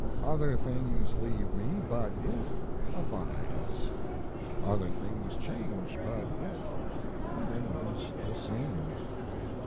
Other things leave me, but it abides; other things change, but it remains the same.